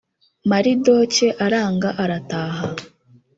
maridoke aranga.arataha